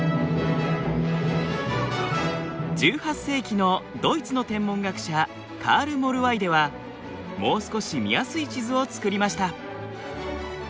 １８世紀のドイツの天文学者カール・モルワイデはもう少し見やすい地図を作りました。